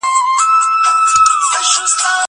که وخت وي، سبزېجات تياروم!